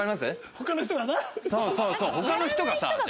他の人がさ。